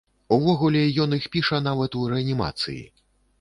Увогуле, ён іх піша нават у рэанімацыі!